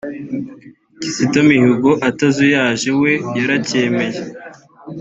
Kizito Mihigo atazuyaje we yaracyemeye